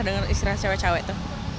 kalau menurut istilah cawe cawe itu